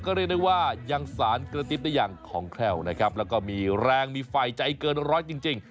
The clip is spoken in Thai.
ก็เรียกได้ว่ายังสารกระติ๊บได้อย่างของแคล่วนะครับแล้วก็มีแรงมีไฟใจเกินร้อยจริง